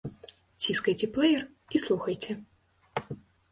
Ціскайце плэер і слухайце.